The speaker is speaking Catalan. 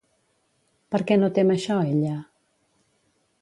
Per què no tem això ella?